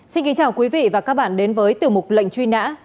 xin kính chào quý vị và các bạn đến với tiểu mục lệnh truy nã